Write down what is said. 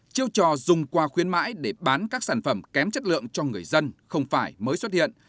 chiêu trò dùng quà khuyên mãi để bán các sản phẩm kém chất lượng cho người dân không phải mới xuất hiện